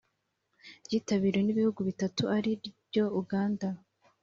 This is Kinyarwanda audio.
ryitabiriwe n’ibihugu bitatu ari byo Uganda